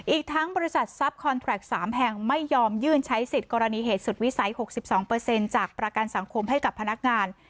อีกทั้งบริษัททรัพย์คอนแทรค๓แห่งไม่ยอมยื่นใช้สิทธิ์กรณีเหตุสุดวิสัย๖๒จากประกันสังคมให้กับพนักงาน